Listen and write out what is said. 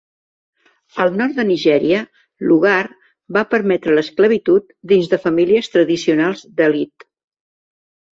Al nord de Nigèria, Lugard va permetre l'esclavitud dins de famílies tradicionals d'elit.